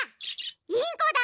インコだ！